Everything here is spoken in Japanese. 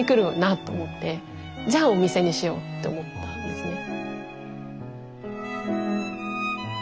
じゃあお店にしようって思ったんですね。